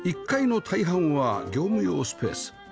１階の大半は業務用スペース